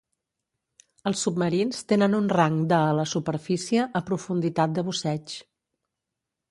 Els submarins tenen un rang de a la superfície, a profunditat de busseig.